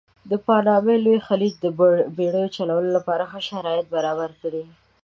د پانامې لوی خلیج د بېړیو چلولو لپاره ښه شرایط برابر کړي.